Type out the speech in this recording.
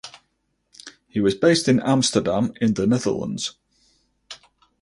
He was based in Amsterdam in the Netherlands.